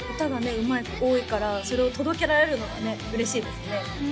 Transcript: うまい子多いからそれを届けられるのがね嬉しいですね